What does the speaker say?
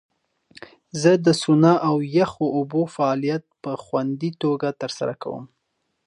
زه د سونا او یخو اوبو فعالیت په خوندي توګه ترسره کوم.